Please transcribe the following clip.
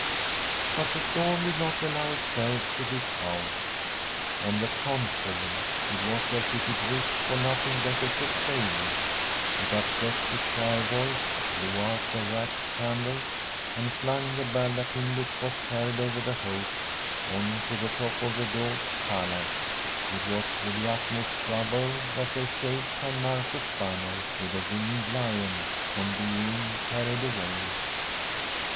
But the storm did not allow itself to be cowed ; on the contrary, it was as if it wished for nothing better to play with. It upset the choir boys, blew out the wax candles, and flung the baldachin, which was carried over the Host, on to the top of the Doge's palace. It was with the utmost trouble that they saved San Marco's banner, with the winged lion, from being carried away.